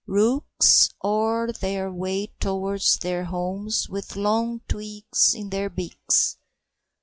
Rooks oar their way towards their homes with long twigs in their beaks.